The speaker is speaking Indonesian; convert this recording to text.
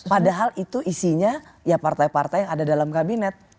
padahal itu isinya ya partai partai yang ada dalam kabinet